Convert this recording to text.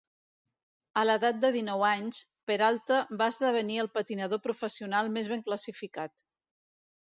A l'edat de dinou anys, Peralta va esdevenir el patinador professional més ben classificat.